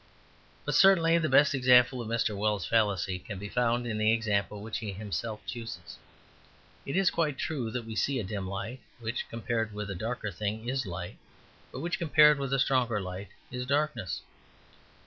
But certainly the best example of Mr. Wells's fallacy can be found in the example which he himself chooses. It is quite true that we see a dim light which, compared with a darker thing, is light, but which, compared with a stronger light, is darkness.